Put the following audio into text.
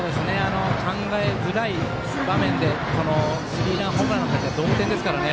考えづらい場面でこのスリーランホームランなら同点ですからね。